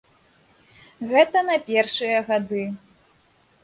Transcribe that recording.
Гэта на першыя гады.